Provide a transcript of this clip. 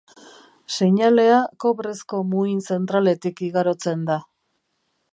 Seinalea kobrezko muin zentraletik igarotzen da.